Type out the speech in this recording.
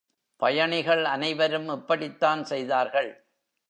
பயணிகள் அனைவரும் இப்படித்தான் செய்தார்கள்.